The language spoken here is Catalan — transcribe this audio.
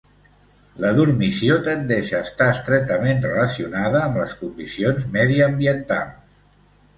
La dormició tendeix a estar estretament relacionada amb les condicions mediambientals.